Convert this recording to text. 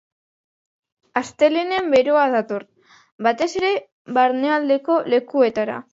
Astelehenean beroa dator, batez ere barnealdeko lekuetara.